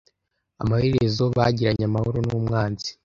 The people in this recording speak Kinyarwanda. Amaherezo bagiranye amahoro n'umwanzi.